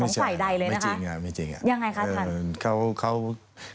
คือไม่ได้มีเพิ่มหรือลดของฝ่ายใดเลยนะคะยังไงคะท่าน